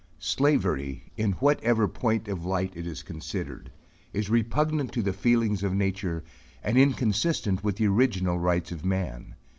Slavery, in whatever point of light it is considered, is repugnant to the feelings of nature, and inconsistent with the original rights of man.